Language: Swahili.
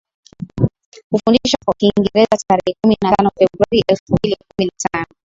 kufundisha kwa Kiingereza Tarehe kumi na tano Februari elfumbili kumi na tano